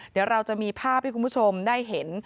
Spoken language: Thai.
เดี๋ยวเราจะมีภาพให้คุณผู้ชมได้เห็น